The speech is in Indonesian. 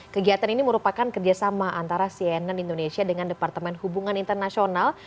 kegiatan ini merupakan kerjasama antara cnn indonesia dengan departemen hubungan internasional